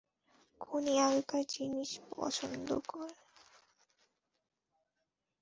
খুনি আগেকার জিনিস পছন্দ করে।